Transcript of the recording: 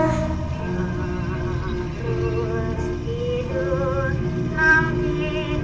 ketika kita berdua berdua